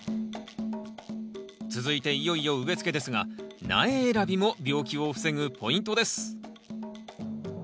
続いていよいよ植えつけですが苗選びも病気を防ぐポイントです。